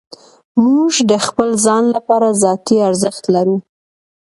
موږ د خپل ځان لپاره ذاتي ارزښت لرو.